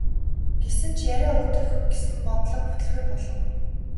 Гэсэн ч яриа өдөх гэсэн оролдлого бүтэлгүй болов.